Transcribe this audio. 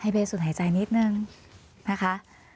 เบสูญหายใจนิดนึงนะคะ